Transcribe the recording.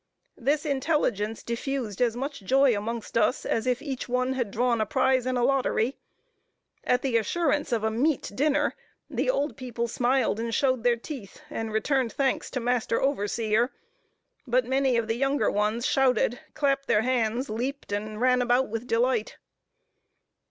This intelligence diffused as much joy amongst us, as if each one had drawn a prize in a lottery. At the assurance of a meat dinner, the old people smiled and showed their teeth, and returned thanks to master overseer; but many of the younger ones shouted, clapped their hands, leaped, and ran about with delight.